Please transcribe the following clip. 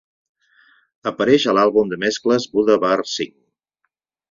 Apareix a l"àlbum de mescles "Buddha Bar V".